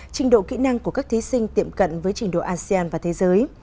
trình độ kỹ năng của các thí sinh tiệm cận với trình độ asean và thế giới